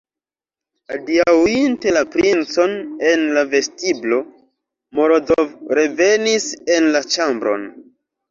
Adiaŭinte la princon en la vestiblo, Morozov revenis en la ĉambron.